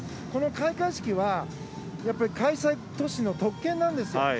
この開会式は開催都市の特権なんですよ。